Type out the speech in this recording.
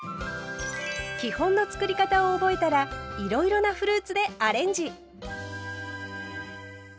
基本のつくり方を覚えたらいろいろなフルーツでアレンジ！